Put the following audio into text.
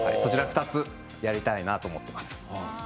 ２つやりたいなと思っています。